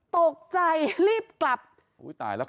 ตกใจรีบกลับอุ้ยตายล่ะขวานออด